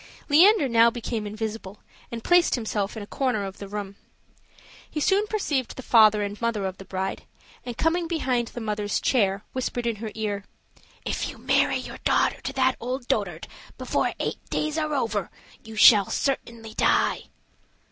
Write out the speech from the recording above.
Leander now became invisible, and placed himself in a corner of the room. He soon perceived the father and mother of the bride; and coming behind the mother's chair, whispered in her ear, "If you marry your daughter to that old dotard, before eight days are over you shall certainly die."